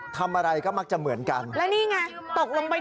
ทำอะไรก็มักจะเหมือนกันแล้วนี่ไงตกลงไป